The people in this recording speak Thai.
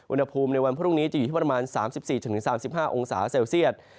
อุณหภูมิในวันพรุ่งนี้จะอยู่ที่ประมาณ๓๔๓๕องศาเซลเซียต